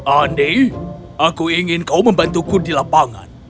andi aku ingin kau membantuku di lapangan